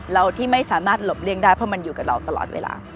ที่ไม่สามารถหลบเลี่ยงได้เพราะมันอยู่กับเราตลอดเวลา